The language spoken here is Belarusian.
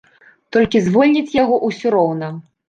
Толькі звольняць яго ўсё роўна.